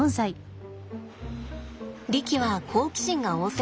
リキは好奇心が旺盛です。